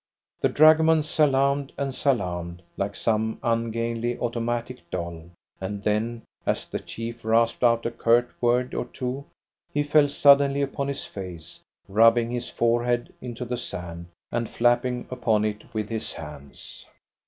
The dragoman salaamed and salaamed like some ungainly automatic doll, and then, as the chief rasped out a curt word or two, he fell suddenly upon his face, rubbing his forehead into the sand, and flapping upon it with his hands.